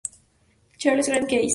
Charlie Gard case